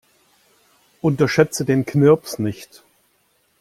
Unterschätze den Knirps nicht.